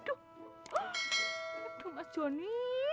aduh mas joni